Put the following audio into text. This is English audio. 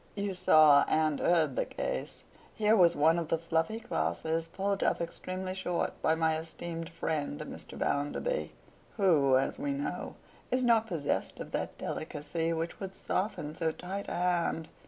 You saw and heard the case. Here was one of the fluffy classes pulled up extremely short by my esteemed friend Mr. Bounderby—who, as we know, is not possessed of that delicacy which would soften so tight a hand.